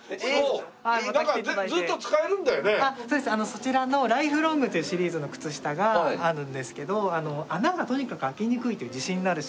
そちらのＬＩＦＥＬＯＮＧというシリーズの靴下があるんですけど穴がとにかく開きにくいという自信のあるシリーズで。